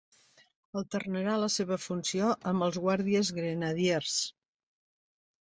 Alternarà la seva funció amb els Guàrdies Grenadiers.